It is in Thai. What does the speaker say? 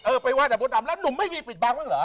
ไปไห้แต่มดดำแล้วหนุ่มไม่มีปิดบังบ้างเหรอ